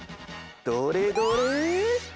どれどれ？